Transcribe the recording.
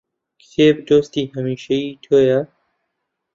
کتێب دۆستی هەمیشەیی تۆیە